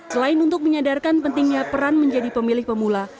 selain untuk menyadarkan pentingnya peran menjadi pemilih pemula